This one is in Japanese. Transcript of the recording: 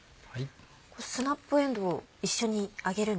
スナップえんどう一緒に揚げるんですね。